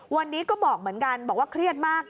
วันนี้ก็บอกเหมือนกันบอกว่าเครียดมาก